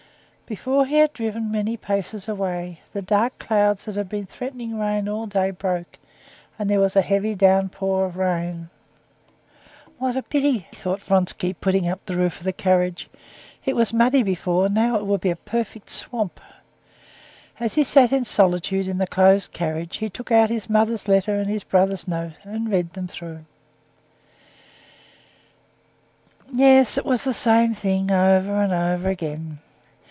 Before he had driven many paces away, the dark clouds that had been threatening rain all day broke, and there was a heavy downpour of rain. "What a pity!" thought Vronsky, putting up the roof of the carriage. "It was muddy before, now it will be a perfect swamp." As he sat in solitude in the closed carriage, he took out his mother's letter and his brother's note, and read them through. Yes, it was the same thing over and over again.